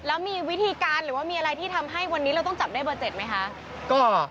แล้วมีวิธีการหรือว่ามีอะไรที่ทำให้วันนี้เราต้องจับได้เบอร์๗ไหมคะ